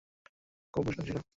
হ্যাঁ, খুব উষ্ণ ছিল।